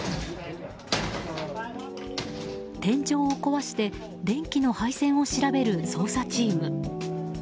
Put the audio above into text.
天井を壊して電気の配線を調べる捜査チーム。